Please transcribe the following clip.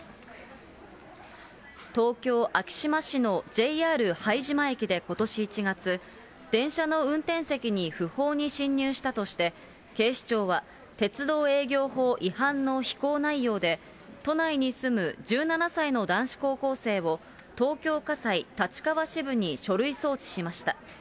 東京・昭島市のＪＲ拝島駅でことし１月、電車の運転席に不法に侵入したとして、警視庁は鉄道営業法違反の非行内容で、都内に住む１７歳の男子高校生を東京家裁立川支部に書類送致しました。